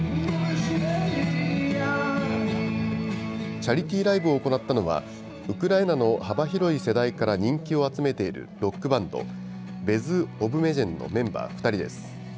チャリティーライブを行ったのは、ウクライナの幅広い世代から人気を集めているロックバンド、ＢＥＺＯＢＭＥＺＨＥＮのメンバー２人です。